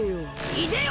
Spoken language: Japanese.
いでよ！